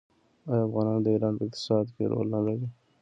آیا افغانان د ایران په اقتصاد کې رول نلري؟